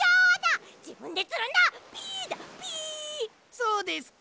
そうですか。